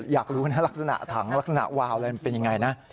อยากรู้นะลักษณะถังลักษณะวาวอะไรมันเป็นยังไงนะ